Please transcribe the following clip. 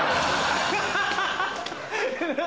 ハハハ！